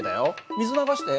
水流して。